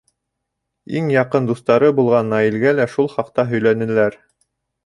Иң яҡын дуҫтары булған Наилгә лә шул хаҡта һөйләнеләр.